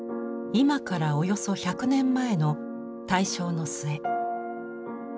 今からおよそ１００年前の大正の末。